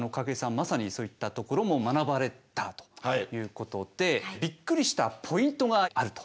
まさにそういったところも学ばれたということでびっくりしたポイントがあると。